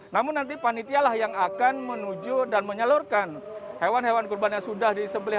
namun nanti panitialah yang akan menuju dan menyalurkan hewan hewan kurban yang sudah disembelih